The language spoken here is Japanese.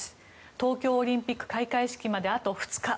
東京オリンピック開会式まであと２日。